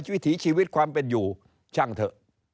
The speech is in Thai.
วิถีชีวิตความเป็นอยู่ช่างเถอะ